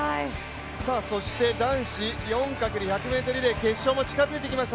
そして、男子４×１００ｍリレー決勝も近づいてきました。